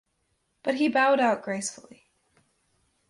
But he bowed out gracefully.